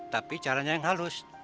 tapi caranya yang halus